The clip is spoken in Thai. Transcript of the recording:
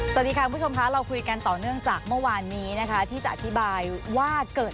สวัสดีค่ะคุณผู้ชมค่ะเราคุยกันต่อเนื่องจากเมื่อวานนี้นะคะที่จะอธิบายว่าเกิด